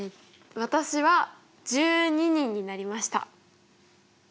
私は１２人になりました。